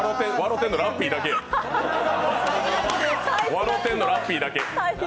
ろてんのラッピーだけ。